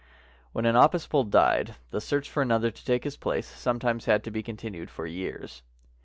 When an Apis bull died, the search for another to take his place sometimes had to be continued for years.